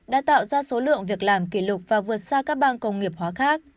đã tạo ra số lượng việc làm kỷ lục và vượt xa các bang công nghiệp hóa khác